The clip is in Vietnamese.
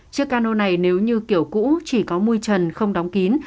chiếc cano này nếu như kiểu cũ chỉ có mùi trần không đóng kín